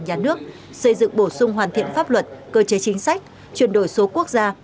nhà nước xây dựng bổ sung hoàn thiện pháp luật cơ chế chính sách chuyển đổi số quốc gia